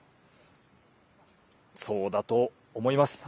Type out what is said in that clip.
そうだと思います。